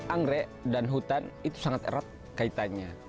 anggrek dan hutan itu sangat erat kaitannya